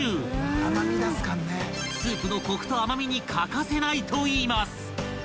［スープのコクと甘味に欠かせないといいます］